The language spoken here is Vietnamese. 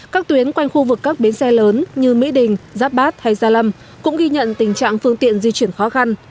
các tuyến quanh khu vực các bến xe lớn như mỹ đình giáp bát hay gia lâm cũng ghi nhận tình trạng phương tiện di chuyển khó khăn